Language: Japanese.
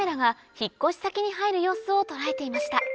引っ越し先に入る様子を捉えていました